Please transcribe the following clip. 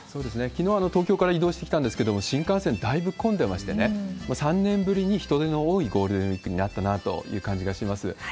きのう、東京から移動してきたんですけれども、新幹線だいぶ混んでましてね、３年ぶりに人出の多いゴールデンウィークになったなという感じがします。